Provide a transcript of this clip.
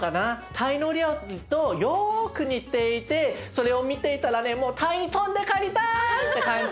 タイの料理とよく似ていてそれを見ていたらねもうタイに飛んで帰りたいって感じ。